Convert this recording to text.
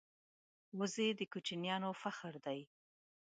وزې د کوچیانو فخر دی